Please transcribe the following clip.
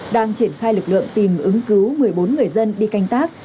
đang triển khai lực lượng tìm ứng cứu một mươi bốn người dân đi canh tác